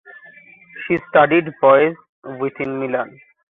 She studied voice with in Milan.